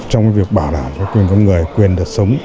trong việc bảo đảm cho quyền con người quyền được sống